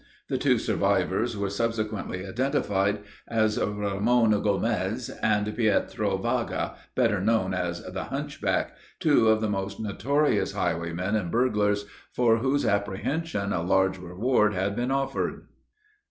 The two survivors were subsequently identified as Ramon Gomez, and Pietro Vaga, better known as "the Hunchback," two of the most notorious highwaymen and burglars, for whose apprehension a large reward had been offered.